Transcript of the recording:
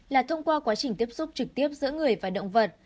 là thông qua quá trình tiếp xúc trực tiếp giữa người và động vật